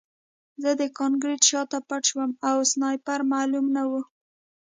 زه د کانکریټ شاته پټ شوم او سنایپر معلوم نه و